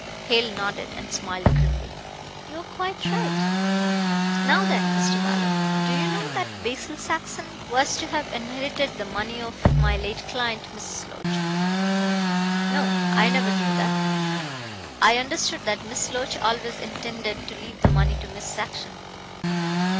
Hale nodded and smiled grimly. "You are quite right. Now, then, Mr. Mallow, do you know that Basil Saxon was to have inherited the money of my late client, Miss Loach?" "No, I never knew that. I understood that Miss Loach always intended to leave the money to Miss Saxon."